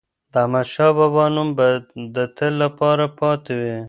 د احمدشاه بابا نوم به د تل لپاره پاتې وي.